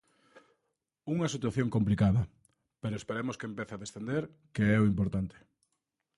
Unha situación complicada, pero esperemos que empece a descender, que é o importante.